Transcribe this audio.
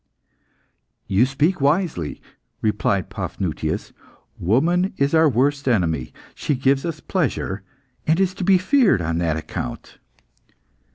"You speak wisely," replied Paphnutius; "woman is our worst enemy. She gives us pleasure, and is to be feared on that account."